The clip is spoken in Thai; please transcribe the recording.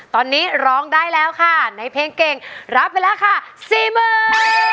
ตอนนี้ร้องได้แล้วค่ะในเพลงเก่งรับไปแล้วค่ะสี่หมื่น